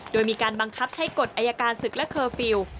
โดยมีการบังคับใช้กฎอายการศึกและเคอร์ฟิลล์